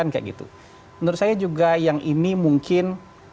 menurut saya juga yang ini mungkin